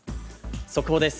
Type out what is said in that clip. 速報です。